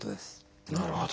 なるほど。